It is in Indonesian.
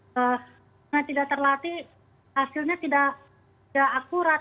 karena tidak terlatih hasilnya tidak akurat